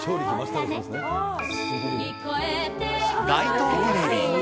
街頭テレビ。